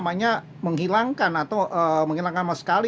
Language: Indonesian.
menghilangkan atau menghilangkan sama sekali